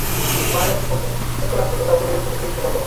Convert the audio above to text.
মারলা Lee বললেন, এত রাতে কাউকে বিরক্ত করতে ইচ্ছা করল না।